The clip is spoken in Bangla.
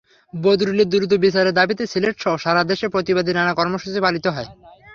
বদরুলের দ্রুত বিচারের দাবিতে সিলেটসহ সারা দেশে প্রতিবাদী নানা কর্মসূচি পালিত হয়।